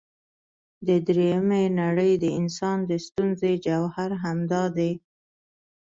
د درېمې نړۍ د انسان د ستونزې جوهر همدا دی.